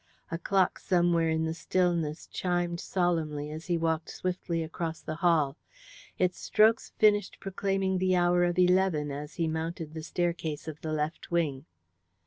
A clock somewhere in the stillness chimed solemnly as he walked swiftly across the hall. Its strokes finished proclaiming the hour of eleven as he mounted the staircase of the left wing.